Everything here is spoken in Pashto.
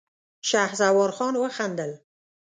شهسوار خان وخندل.